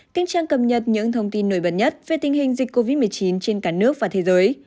xin trang cập nhật những thông tin nổi bật nhất về tình hình dịch covid một mươi chín trên cả nước và thế giới